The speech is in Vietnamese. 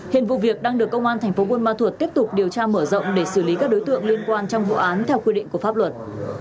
hiện vụ việc đang được công an tp bùi măn thuột tiếp tục điều tra mở rộng để xử lý các đối tượng liên quan trong vụ án theo quy định của pháp luật